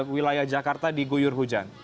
wilayah jakarta diguyur hujan